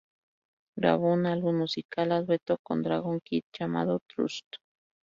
Grabó un álbum musical a dueto con Dragon Kid llamado "Trust!